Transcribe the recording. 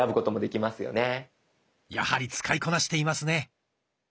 やはり使いこなしていますね。